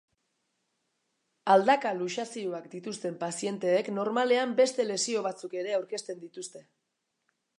Aldaka-luxazioak dituzten pazienteek normalean beste lesio batzuk ere aurkezten dituzte.